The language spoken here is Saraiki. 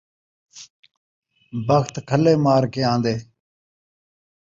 بخت کھلے مار کے آندے